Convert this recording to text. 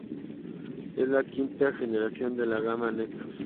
Es la quinta generación de la gama Nexus.